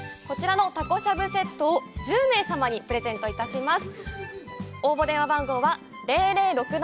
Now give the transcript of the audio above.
「タコしゃぶセット」を１０名様にプレゼントいたします。